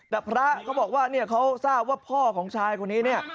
แต่พระเขาบอกว่าเนี่ยเขาทราบว่าพ่อของชายคนนี้เนี่ย